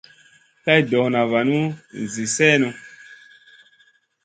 Kay ɗona vanu zi sèhnu.